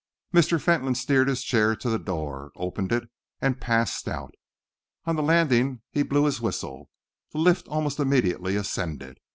Mr. Fentolin steered his chair to the door, opened it, and passed out. On the landing he blew his whistle; the lift almost immediately ascended.